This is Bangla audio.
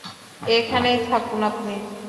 এখানেই থাকুন আপনি।